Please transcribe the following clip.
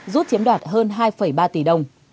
rút chiếm đoạt hơn hai ba tỷ đồng